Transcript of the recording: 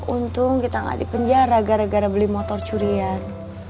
untung kita nggak dipenjara gara gara beli motor curian